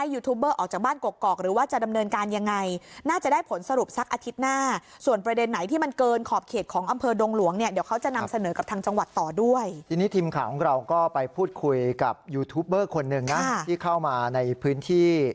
ยูทูบเบอร์คนหนึ่งนะที่เข้ามาในพื้นที่